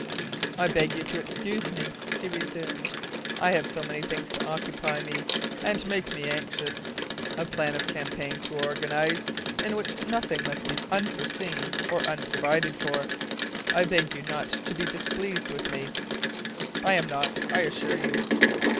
"I beg you to excuse me," he resumed, "I have so many things to occupy me and make me anxious. A plan of campaign to organize, in which nothing must be unforeseen or unprovided for. I beg you not to be displeased with me " "I am not, I assure you."